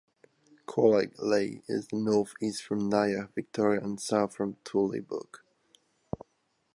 Koraleigh is northeast from Nyah, Victoria and south from Tooleybuc.